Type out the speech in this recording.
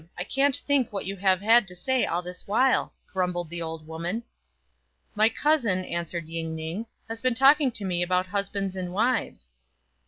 I can't think what you have had to say all this while," grumbled the old woman. " My cousin," answered Ying ning, " has been talking to me about husbands and wives."